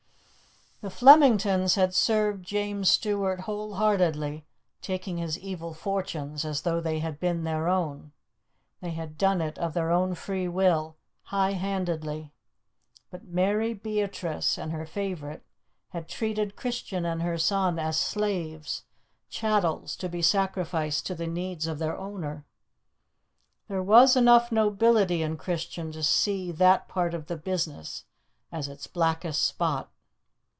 The Flemingtons had served James Stuart whole heartedly, taking his evil fortunes as though they had been their own; they had done it of their own free will, high handedly. But Mary Beatrice and her favourite had treated Christian and her son as slaves, chattels to be sacrificed to the needs of their owner. There was enough nobility in Christian to see that part of the business as its blackest spot.